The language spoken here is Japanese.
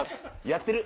やってる？